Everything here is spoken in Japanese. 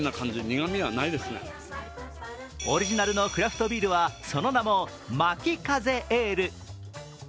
オリジナルのクラフトビールはその名も巻風エール。